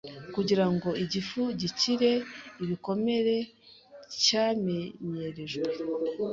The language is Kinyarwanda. kugira ngo igifu gikire ibikomere cyamenyerejwe.